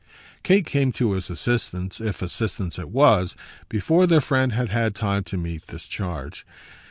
Kate came to his assistance if assistance it was before their friend had had time to meet this charge.